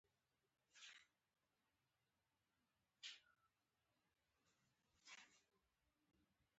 نوموړی د خبرو کولو د پیل عمر ته ورسېد